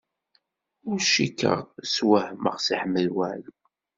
Ur cikkeɣ swehmeɣ Si Ḥmed Waɛli.